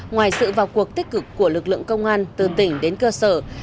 ngoài sự vào cuộc tích cực của lực lượng công an từ tỉnh đến cơ sở